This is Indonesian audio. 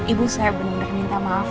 ibu saya benar benar minta maaf